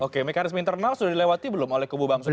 oke mekanisme internal sudah dilewati belum oleh kubu bang surya